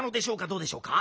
どうでしょうか？